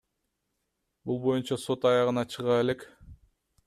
Бул боюнча сот аягына чыга элек.